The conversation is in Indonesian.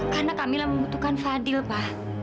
karena kamila membutuhkan fadil pa